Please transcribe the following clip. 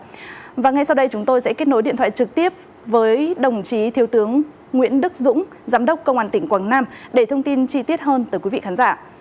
và ngay sau đây chúng tôi sẽ kết nối điện thoại trực tiếp với đồng chí thiếu tướng nguyễn đức dũng giám đốc công an tỉnh quảng nam để thông tin chi tiết hơn tới quý vị khán giả